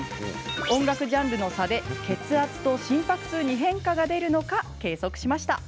音楽ジャンルの差で血圧と心拍数に変化が出るのか計測しました。